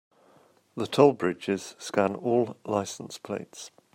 The toll bridges scan all license plates.